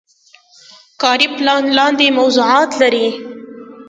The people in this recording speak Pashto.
کاري پلان لاندې موضوعات لري.